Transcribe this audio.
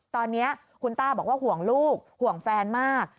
ตอนนี้คุณต้าบอกว่าห่วงลูกห่วงแฟนมาก